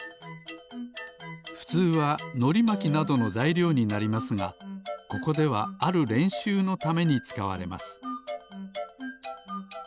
ふつうはのりまきなどのざいりょうになりますがここではあるれんしゅうのためにつかわれます